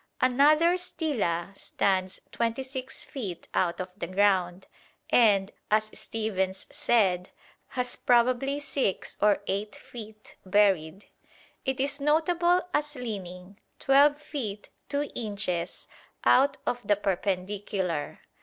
Another stela stands 26 feet out of the ground, and, as Stephens said, has probably 6 or 8 feet buried. It is notable as leaning 12 feet 2 inches out of the perpendicular.